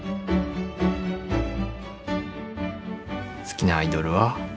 好きなアイドルは。